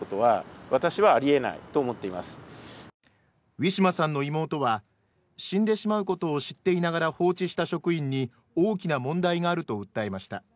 ウィシュマさんの妹は、死んでしまうことを知っていながら放置した職員に大きな問題があると訴えました。